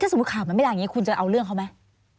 สมมุติข่าวมันไม่ได้อย่างนี้คุณจะเอาเรื่องเขาไหม